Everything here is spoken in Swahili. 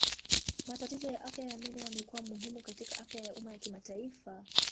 Matatizo ya afya ya meno yamekuwa muhimu katika afya ya umma ya kimataifa.